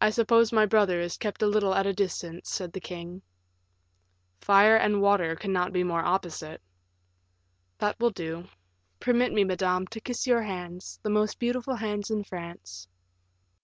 "I suppose my brother is kept a little at a distance," said the king. "Fire and water cannot be more opposite." "That will do. Permit me, madame, to kiss your hands, the most beautiful hands in France."